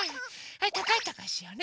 はいたかいたかいしようね。